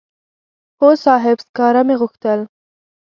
هو صاحب سکاره مې غوښتل.